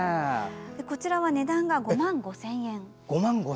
こちらは値段が５万５０００円。